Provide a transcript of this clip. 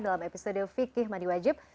dalam episode fikih madi wajib